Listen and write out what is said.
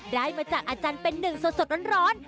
ได้มาจากอาจารย์เป็นหนึ่งสดร้อน